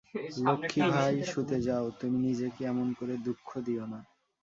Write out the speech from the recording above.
লক্ষ্মী ভাই, শুতে যাও– তুমি নিজেকে এমন করে দুঃখ দিয়ো না।